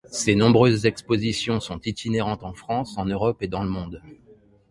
Ses nombreuses expositions sont itinérantes en France, en Europe et dans le monde.